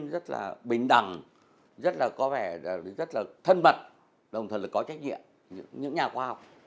rất là bình đẳng rất là có vẻ rất là thân mật đồng thời là có trách nhiệm những nhà khoa học